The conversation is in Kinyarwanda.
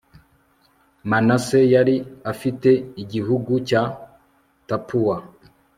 manase yari afite igihugu cya tapuwa